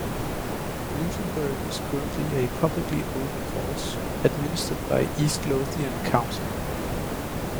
Musselburgh is currently a publicly owned course, administered by East Lothian Council.